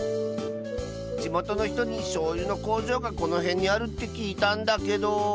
じもとのひとにしょうゆのこうじょうがこのへんにあるってきいたんだけど。